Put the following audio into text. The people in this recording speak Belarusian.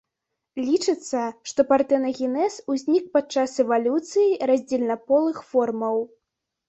Лічыцца, што партэнагенез узнік падчас эвалюцыі раздзельнаполых формаў.